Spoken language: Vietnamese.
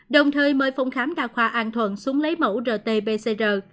đồng thời mời phòng khám đa khoa an thuận xuống lấy mẫu rt pcr